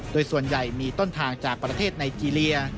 โดยส่วนใหญ่มีต้นทางจากประเทศไนเจรีย